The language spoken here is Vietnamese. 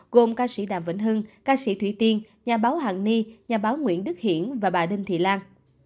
gồm ca sĩ đàm vĩnh hưng ca sĩ thủy tiên nhà báo hàn ni nhà báo nguyễn đức hiển và bà đinh thị lan